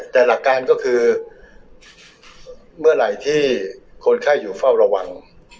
แต่หลักการก็คือเมื่อไหร่ที่คนไข้อยู่เฝ้าระวัง